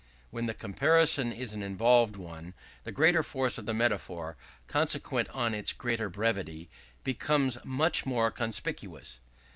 When the comparison is an involved one, the greater force of the metaphor, consequent on its greater brevity, becomes much more conspicuous.